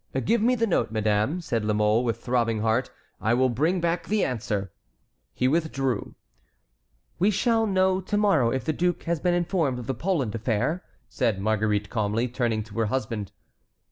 "Give me the note, madame," said La Mole, with throbbing heart, "I will bring back the answer." He withdrew. "We shall know to morrow if the duke has been informed of the Poland affair," said Marguerite calmly, turning to her husband.